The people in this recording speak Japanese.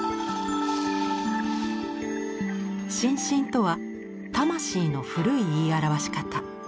「心神」とは「魂」の古い言い表し方。